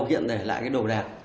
hiện để lại đồ đạc